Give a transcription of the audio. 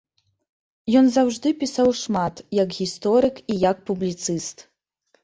Ён заўжды пісаў шмат, як гісторык і як публіцыст.